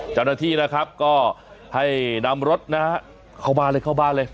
เจ้าหน้าที่นะครับก็ให้นำรถนะฮะเข้าบ้านเลยเข้าบ้านเลย